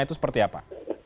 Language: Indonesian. itu seperti apa